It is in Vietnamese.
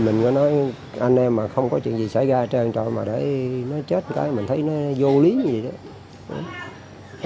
mình có nói anh em mà không có chuyện gì xảy ra trang trọng mà để nó chết cái mình thấy nó vô lý như vậy đó